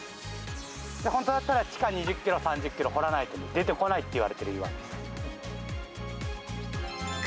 本当だったら地下２０キロ、３０キロ、掘らないと出てこないといわれてる岩です。